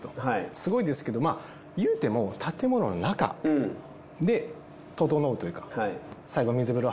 すごいですけどまあ言うても建物の中でととのうというか。